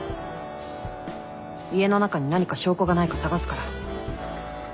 家の中に何か証拠がないか捜すから。